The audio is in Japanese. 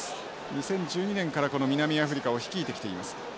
２０１２年からこの南アフリカを率いてきています。